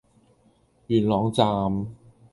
元朗站